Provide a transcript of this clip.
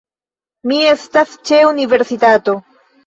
Mi estas ĉe universitato